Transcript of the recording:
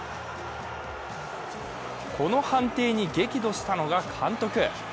この判定に激怒したのが監督。